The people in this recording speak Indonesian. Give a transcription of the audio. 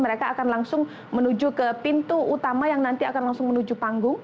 mereka akan langsung menuju ke pintu utama yang nanti akan langsung menuju panggung